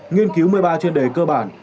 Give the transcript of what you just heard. nghiên cứu một mươi ba chuyên đề cơ bản